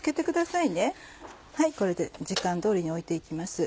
はいこれで時間通りに置いて行きます。